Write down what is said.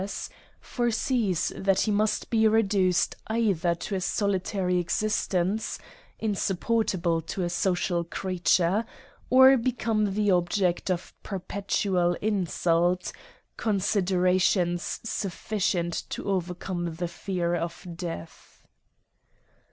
4S foresees that he must be reduced eidier to a soli tary existence, insupportable to a social creature, or become the object of perpetual insult ; consi derations sufficient to overcome the fear of death.